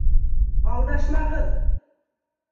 Алдашмағыҙ!